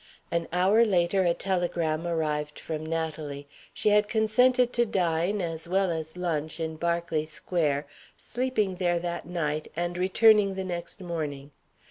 An hour later a telegram arrived from Natalie. She had consented to dine, as well as lunch, in Berkeley Square sleeping there that night, and returning the next morning.